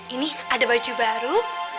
ini ada baju baru